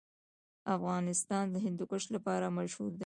افغانستان د هندوکش لپاره مشهور دی.